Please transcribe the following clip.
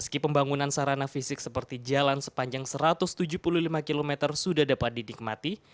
karena fisik seperti jalan sepanjang satu ratus tujuh puluh lima km sudah dapat dinikmati